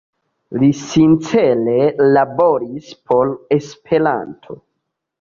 Li sincere laboris por Esperanto.